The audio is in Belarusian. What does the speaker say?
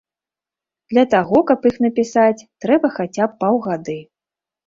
Для таго, каб іх напісаць, трэба хаця б паўгады.